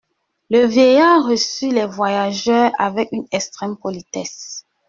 Le vieillard reçut les voyageurs avec une extrême politesse.